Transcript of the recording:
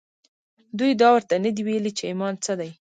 دوی دا ورته نه دي ويلي چې ايمان څه دی.